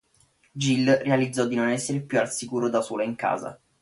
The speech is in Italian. Jill realizzerà di non essere più al sicuro da sola in casa.